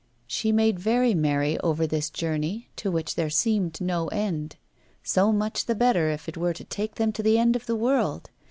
She made very merry over this journey, to which there seemed no end. So much the better if it were to take them to the end of the world!